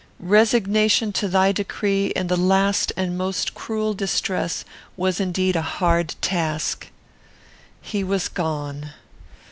Resignation to thy decree, in the last and most cruel distress, was, indeed, a hard task. "He was gone.